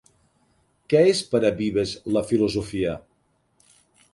Què és per a Vives la filosofia?